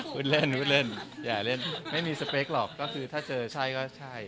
เล่นวุดเล่นอย่าเล่นไม่มีสเปคหรอกก็คือถ้าเจอใช่ก็ใช่